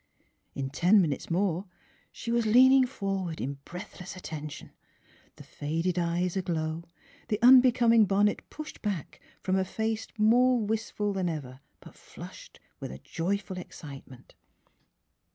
In ten minutes more she was leaning forward in breathless attention, the faded eyes aglow, the unbecoming bonnet pushed back from a face more wistful than ever, but flushed with a joyful excitement.